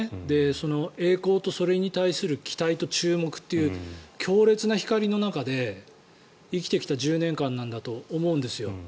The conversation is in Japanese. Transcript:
その栄光とそれに対する期待と注目という強烈な光の中で生きてきた１０年間なんだと思うんですよ。